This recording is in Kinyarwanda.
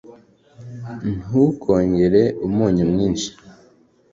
ntukongere umunyu mwinshi